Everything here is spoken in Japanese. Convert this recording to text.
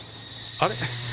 あれ？